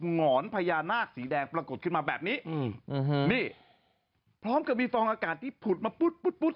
หอนพญานาคสีแดงปรากฏขึ้นมาแบบนี้อืมนี่พร้อมกับมีฟองอากาศที่ผุดมาปุ๊ดปุ๊ดปุ๊ด